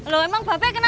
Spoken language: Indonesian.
loh emang babe kenapa